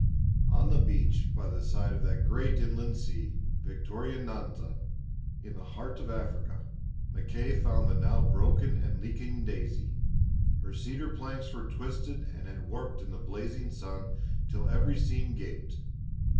On the beach by the side of that great inland sea, Victoria Nyanza, in the heart of Africa, Mackay found the now broken and leaking Daisy. Her cedar planks were twisted and had warped in the blazing sun till every seam gaped.